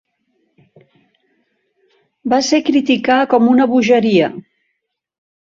Va ser criticar com una "bogeria".